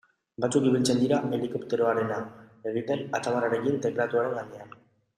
Batzuk ibiltzen dira helikopteroarena egiten atzamarrarekin teklatuaren gainean.